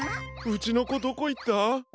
うちのこどこいった？